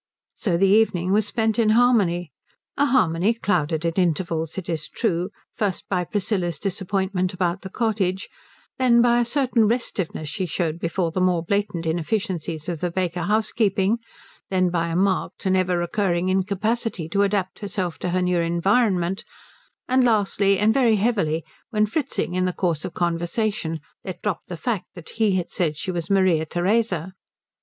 So the evening was spent in harmony; a harmony clouded at intervals, it is true, first by Priscilla's disappointment about the cottage, then by a certain restiveness she showed before the more blatant inefficiencies of the Baker housekeeping, then by a marked and ever recurring incapacity to adapt herself to her new environment, and lastly and very heavily when Fritzing in the course of conversation let drop the fact that he had said she was Maria Theresa.